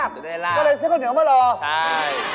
หมอบอกจะได้ราบเพราะได้ซื้อข้าวเหนียวมารอจะได้ราบ